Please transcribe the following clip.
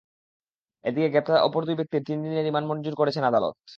এদিকে গ্রেপ্তার অপর দুই ব্যক্তির তিন দিনের রিমান্ড মঞ্জুর করেছেন আদালত।